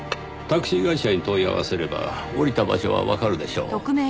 タクシー会社に問い合わせれば降りた場所はわかるでしょう。